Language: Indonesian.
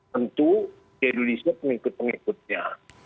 tentu diadulisir pengikut pengikutnya